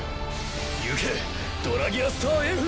ゆけドラギアスターＦ！